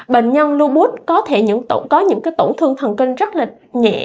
bệnh nhân lưu bút có những tổn thương thần kinh rất nhẹ